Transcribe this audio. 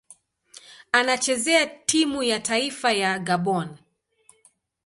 Anachezea timu ya taifa ya Gabon.